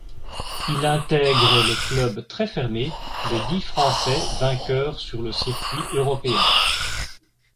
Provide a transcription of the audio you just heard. Il intègre le club très fermé des dix Français vainqueurs sur le circuit européen.